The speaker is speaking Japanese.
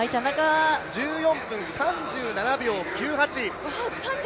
１４分３７秒９８。